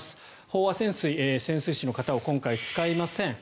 飽和潜水、潜水士の方を今回使いません。